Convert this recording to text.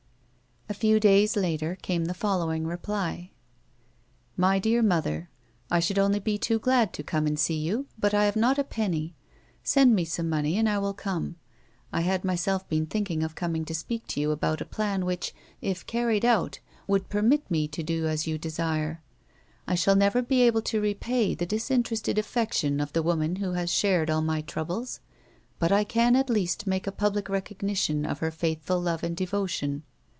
A few days later came the following reply :" My Deak Mother — I should only be too glad to come and see you, but I have not a penny ; send me some mc*iey and I will come. I had myself been thinking of coming to speak to jow about a plan which, if caiTied out, would permit me to do as you desire. " I shall never be able to repay the disinterested affection of the woman who has shared all my troubles, but I can at least make a public recognition of her faithful love and devotion.